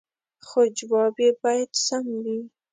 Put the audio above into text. خو جواب يې باید سم وي